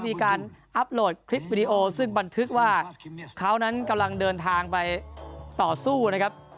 มีการอัพโหลดคลิปวิดีโอซึ่งบันทึกว่าเขานั้นกำลังเดินทางไปต่อสู้นะครับ